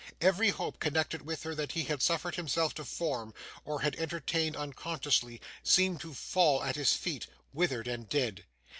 Every hope connected with her that he had suffered himself to form, or had entertained unconsciously, seemed to fall at his feet, withered and dead.